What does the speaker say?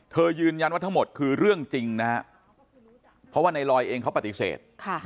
ยืนยันว่าทั้งหมดคือเรื่องจริงนะฮะเพราะว่าในลอยเองเขาปฏิเสธ